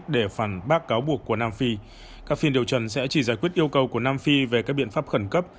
để phản bác cáo buộc của nam phi các phiên điều trần sẽ chỉ giải quyết yêu cầu của nam phi về các biện pháp khẩn cấp